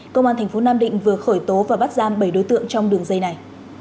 công an tp nam định vừa khởi tố và bắt giam bảy đối tượng trong đường dây này